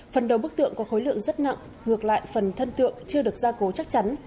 phần đầu bức tượng có khối lượng rất nặng ngược lại phần thân tượng chưa được gia cố chắc chắn